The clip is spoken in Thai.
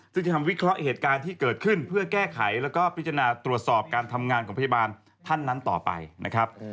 ซึ่งจะทำวิเคราะห์เหตุการณ์ที่เกิดขึ้นเพื่อแก้ไขแล้วก็พิจารณาตรวจสอบการทำงานของพยาบาลท่านนั้นต่อไปนะครับ